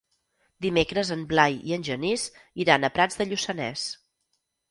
Dimecres en Blai i en Genís iran a Prats de Lluçanès.